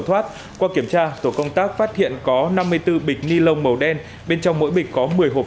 thoát qua kiểm tra tổ công tác phát hiện có năm mươi bốn bịch ni lông màu đen bên trong mỗi bịch có một mươi hộp